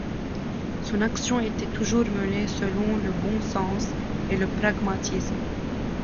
Son action était toujours menée selon le bon sens et le pragmatisme.